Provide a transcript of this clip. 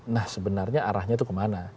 nah sebenarnya arahnya itu ke mana